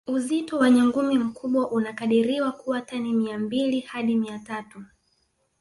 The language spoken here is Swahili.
Uzito wa nyangumi mkubwa unakadiriwa kuwa wa tani Mia mbili hadi Mia tatu